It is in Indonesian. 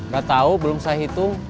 gak tahu belum saya hitung